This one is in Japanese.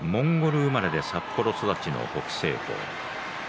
モンゴル生まれで札幌育ちの北青鵬。